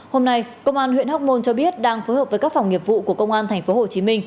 hôm nay công an huyện hóc môn cho biết đang phối hợp với các phòng nghiệp vụ của công an tp hcm